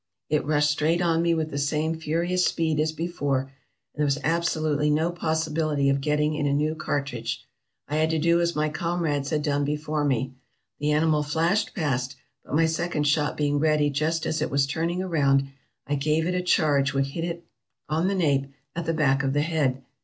It rushed straight on me with the same furious speed as before, and there was absolutely no possibility of getting in a new cartridge. I had to do as my comrades had done before me. The animal flashed past, but my second shot being ready just as it was turning round, I gave it a charge which hit it on the nape, at the back of the head.